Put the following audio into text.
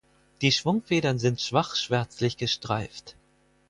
Die Schwungfedern sind schwach schwärzlich gestreift.